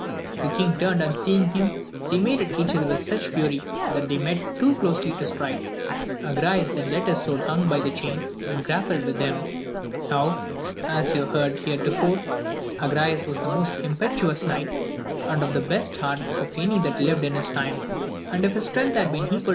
The king turned, and seeing him, they made at each other with such fury, that they met too closely to strike. Agrayes then let his sword hang by the chain, and grappled with him. Now, as you have heard heretofore, Agrayes was the most impetuous knight, and of the best heart of any that lived in his time ; and if his strength had been equal AMADIS OF GAUL.